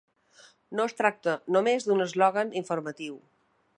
No es tracta només d’un eslògan informatiu.